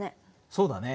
そうだね。